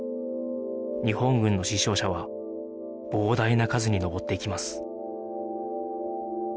日本軍の死傷者は膨大な数に上っていきます